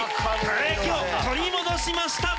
輝きを取り戻しました。